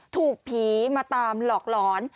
ถูกผีมาตามหลอกหลอน